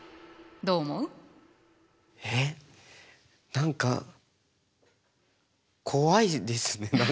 何か怖いですね。